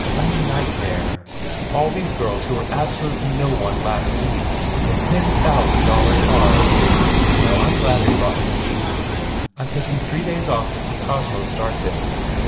"A nightmare ! All these girls who were abso lutely no one last week in ten thousand dollar cars! No, I m glad they brought me east. I m taking three days off to see Cosmo start this.